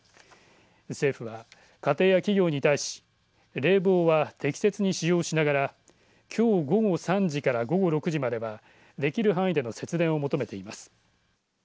政府は家庭や企業に対し冷房は適切に使用しながらきょう午後３時から午後６時までは、できる範囲での節電を求めています。